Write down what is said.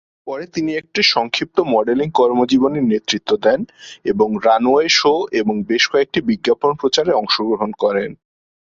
পরে তিনি একটি সংক্ষিপ্ত মডেলিং কর্মজীবনের নেতৃত্ব দেন এবং রানওয়ে শো এবং বেশ কয়েকটি বিজ্ঞাপন প্রচারে অংশগ্রহণ করেন।